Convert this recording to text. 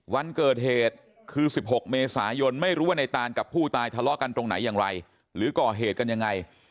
วันเกิดเหตุคือ๑๖เมษายนไม่รู้ว่าในตานกับผู้ตายทะเลาะกันตรงไหนอย่างไรหรือก่อเหตุกันยังไง